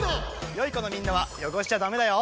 よいこのみんなはよごしちゃだめだよ。